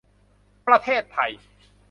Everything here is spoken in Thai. ประเทศไทย